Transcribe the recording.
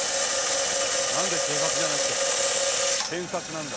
なんで警察じゃなくて検察なんだ。